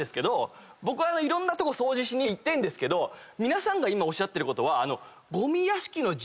僕いろんなとこ掃除しに行ってんですけど皆さん今おっしゃってることは。